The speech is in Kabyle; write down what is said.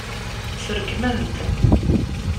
Srekmen-t.